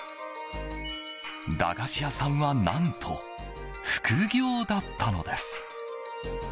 駄菓子屋さんは何と副業だったのです。